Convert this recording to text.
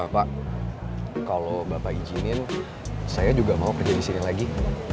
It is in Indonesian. pak kalau bapak izinin saya juga mau kerja di sini lagi